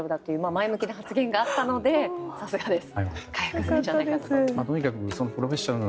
前向きな発言があったのでさすがです。